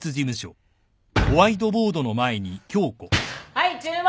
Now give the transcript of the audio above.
・はい注目。